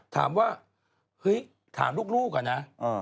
ถามว่าเฮ้ยถามลูกอะนะ